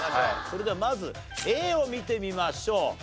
それではまずＡを見てみましょう。